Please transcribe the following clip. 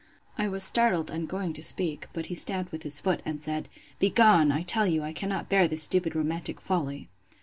I was startled, and going to speak: but he stamped with his foot, and said, Begone! I tell you: I cannot bear this stupid romantic folly.